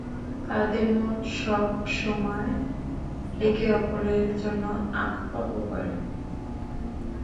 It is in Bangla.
তাদের মন সব সময় একে অপরের জন্য আকুপাকু করে।